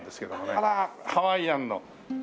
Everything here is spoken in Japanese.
あらハワイアンの。